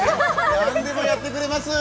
何でもやってくれます。